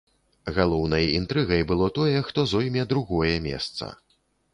Галоўнай інтрыгай было тое, хто зойме другое месца.